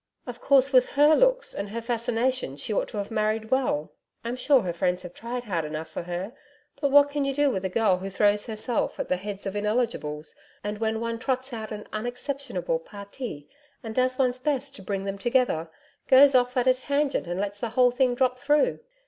Of course, with her looks and her fascination she ought to have married well. I'm sure her friends have tried hard enough for her. But what can you do with a girl who throws herself at the heads of ineligibles, and when one trots out an unexceptionable PARTI and does one's best to bring them together, goes off at a tangent and lets the whole thing drop through.